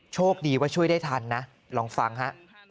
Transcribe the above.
โชคดีว่าช่วยได้ทันนะลองฟังฮะ